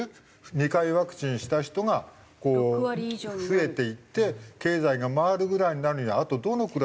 ２回ワクチンした人がこう増えていって経済が回るぐらいになるにはあとどのくらい？